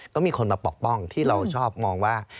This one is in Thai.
ก็มีคนมาปกป้องที่เราชอบมองว่า